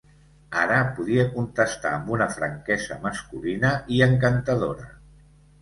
Ara podia contestar amb una franquesa masculina i encantadora.